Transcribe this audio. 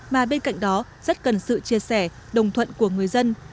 mà bên cạnh đó rất cần sự chia sẻ đồng thuận của người dân